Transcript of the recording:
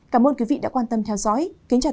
cảm ơn các bạn đã theo dõi